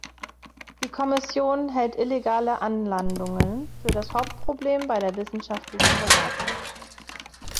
Die Kommission hält illegale Anlandungen für das Hauptproblem bei der wissenschaftlichen Beratung.